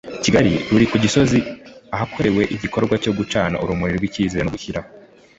kigali ruri ku gisozi ahakorewe ibikorwa byo gucana urumuri rw icyizere no gushyira